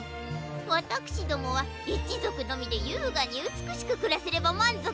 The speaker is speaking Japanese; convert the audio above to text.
わたくしどもはいちぞくのみでゆうがにうつくしくくらせればまんぞくですの。